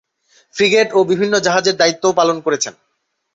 Frigate ও বিভিন্ন জাহাজের দায়িত্বও পালন করেছেন।